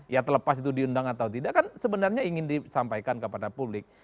ya terlepas itu diundang atau tidak kan sebenarnya ingin disampaikan kepada publik